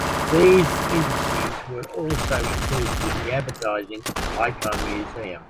These inductees were also included in the Advertising Icon Museum.